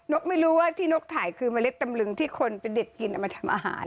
นกไม่รู้ว่านกที่ถ่ายคือเมล็ดดำรึงที่เป็นเด็ดกินถึงเอามาทำอาหาร